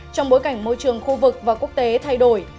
trong bối cảnh môi trường khu vực và quốc tế thay đổi